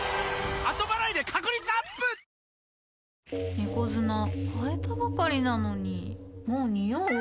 猫砂替えたばかりなのにもうニオう？